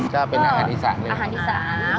ก็เป็นอาหารธิษฐานึงนะครับอาหารธิษฐาน